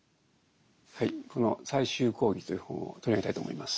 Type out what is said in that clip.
はいこの「最終講義」という本を取り上げたいと思います。